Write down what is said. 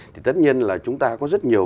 thì tất nhiên là chúng ta có rất nhiều